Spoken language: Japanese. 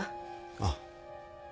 ああ。